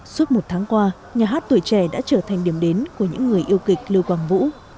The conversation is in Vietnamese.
suốt một tháng qua nhà hát tuổi trẻ đã trở thành điểm đến của những người yêu kịch lưu quang vũ